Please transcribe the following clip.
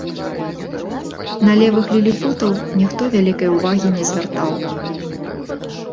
На левых ліліпутаў ніхто вялікай увагі не звяртаў.